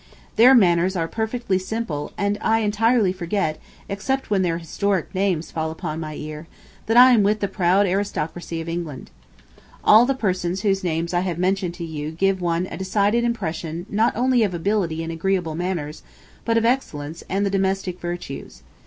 Their manners are perfectly simple and I entirely forget, except when their historic names fall upon my ear, that I am with the proud aristocracy of England. All the persons whose names I have mentioned to you give one a decided impression not only of ability and agreeable manners, but of excellence and the domestic virtues.